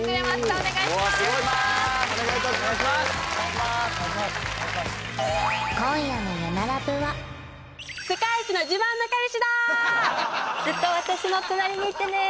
お願いします